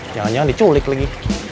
jangan jangan diculik lagi